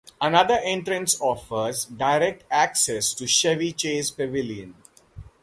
Another entrance offers direct access to Chevy Chase Pavilion.